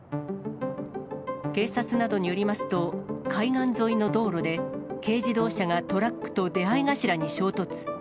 警察などによりますと、海岸沿いの道路で、軽自動車がトラックと出会い頭に衝突。